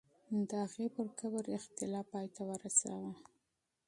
د هغې پر قبر اختلاف پای ته ورسوه.